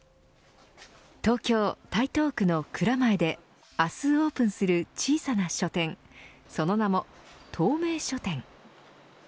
東京、台東区の蔵前で明日オープンする小さな書店その名も透明書店。